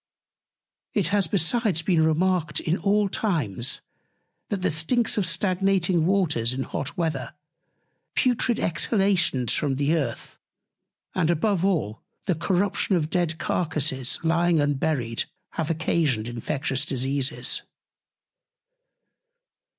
It has besides been remarked in all Times, that the Stinks of stagnating Waters in hot Weather, putrid Exhalations from the Earth; and above all, the Corruption of dead Carcasses lying unburied, have occasioned infectious Diseases.